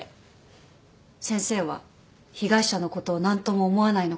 先生は被害者のことを何とも思わないのかって。